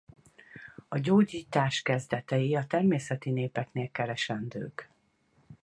A gyógyítás kezdetei a természeti népeknél keresendők.